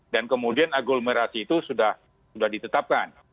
dan kemudian aglomerasi itu sudah ditetapkan